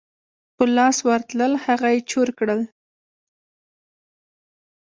په لاس ورتلل هغه یې چور کړل.